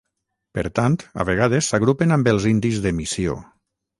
Per tant a vegades s'agrupen amb els indis de missió.